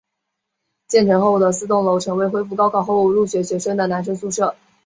建成后的四栋楼成为了恢复高考后入学学生的男生宿舍。